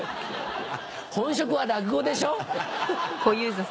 本職は落語でしょ。